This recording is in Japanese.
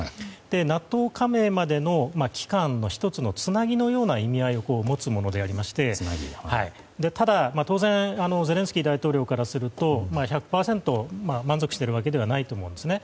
ＮＡＴＯ加盟までの期間の、１つのつなぎのような意味合いを持つものでありましてただ、当然ゼレンスキー大統領からすると１００％満足しているわけではないと思うんですね。